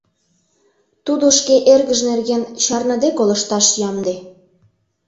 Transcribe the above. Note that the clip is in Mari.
Тудо шке эргыж нерген чарныде колышташ ямде.